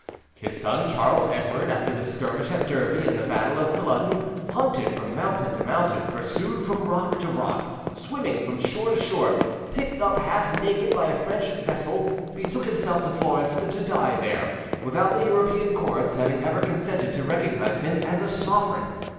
His son, Charles Edward, after the skirmish at Derby and the battle of Culloden, hunted from mountain to mountain, pursued from rock to rock, swimming from shore to shore, picked up half naked by a French vessel, betook himself to Florence to die there, without the European courts having ever consented to recognise him as a sovereign.